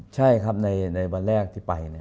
ใช่ครับในในวันแรกที่ไปเนี้ย